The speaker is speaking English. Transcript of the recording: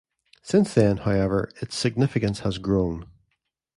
Since then, however, its significance has grown.